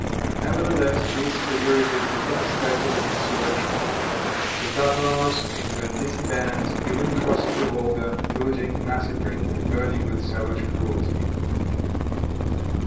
Nevertheless these severities did not stifle the insurrection; the Tartars, in banditti bands, even crossing the Volga, pillaging, massacring and burning with savage cruelty.